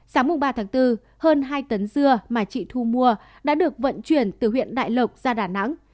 sáng ba tháng bốn hơn hai tấn dưa mà chị thu mua đã được vận chuyển từ huyện đại lộc ra đà nẵng